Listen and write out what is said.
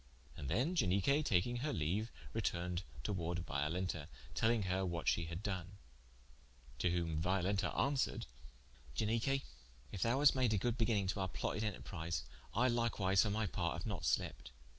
And then Ianique taking her leaue, retourned towarde Violenta, telling her what shee had doen. To whom Violenta answeared: "Ianique, if thou hast made a good beginninge to our plotted enterprise, I likewise for my part haue not slept.